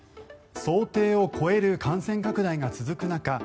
想定を超える感染拡大が続く中